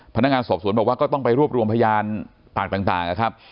พนักงานสอบสวนบอกว่าก็ต้องไปรวบรวมพยานปากต่างนะครับ